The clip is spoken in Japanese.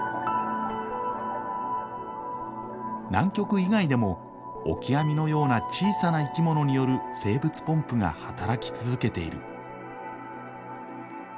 南極以外でもオキアミのような小さな生き物による生物ポンプが働き続けている。